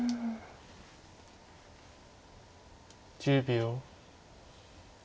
１０秒。